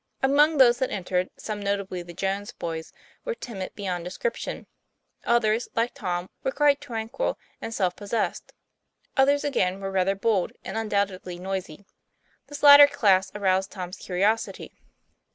Among those that entered, some, notably the Jones boys, were timid beyond descrip tion; others, like Tom, were quite tranquil and self possessed; others again were rather bold and un doubtedly noisy. This latter class aroused Tom's curiosity.